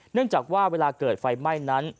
เนื่องจากว่าเวลาเกิดไฟไหม้นั้น